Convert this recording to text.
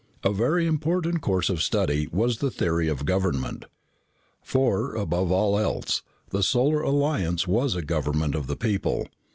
A very important course of study was the theory of government. For, above all else, the Solar Alliance was a government of the people.